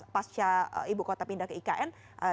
pasca ibu kota pindah ke ikn